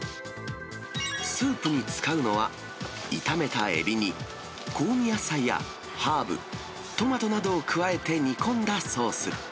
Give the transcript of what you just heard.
スープに使うのは、炒めたエビに、香味野菜やハーブ、トマトなどを加えて煮込んだソース。